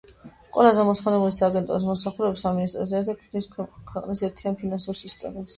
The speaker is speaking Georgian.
ყველა ზემოხსენებული სააგენტო და მომსახურება სამინისტროსთან ერთად ქმნის ქვეყნის ერთიან ფინანსურ სისტემას.